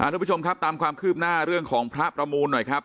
ทุกผู้ชมครับตามความคืบหน้าเรื่องของพระประมูลหน่อยครับ